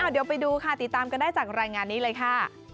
เดี๋ยวไปดูค่ะติดตามกันได้จากรายงานนี้เลยค่ะ